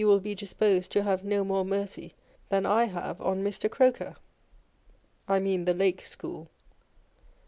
139 will be disposed to have no more mercy than I have on Mr. Croker â€" I mean the Lake School.